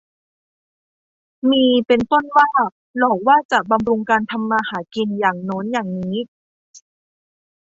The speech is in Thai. มีเป็นต้นว่า หลอกว่าจะบำรุงการทำมาหากินอย่างโน้นอย่างนี้